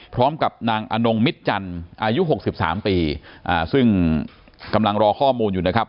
พร้อมกับนางอนงมิตจันทร์อายุ๖๓ปีซึ่งกำลังรอข้อมูลอยู่นะครับ